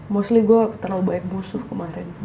mostly gue terlalu banyak musuh kemarin